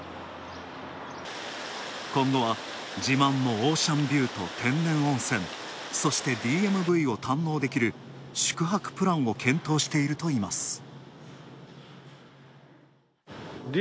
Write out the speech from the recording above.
今度は、自慢のオーシャンビューと天然温泉、そしてＤＭＶを堪能できる宿泊プランを検討しているといいます。